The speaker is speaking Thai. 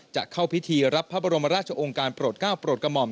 จะเข้าพิธีรับพระบรมราชองค์การโปรดก้าวโปรดกระหม่อม